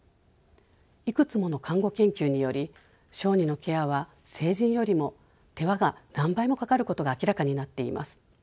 いくつもの看護研究により小児のケアは成人よりも手間が何倍もかかることが明らかになっています。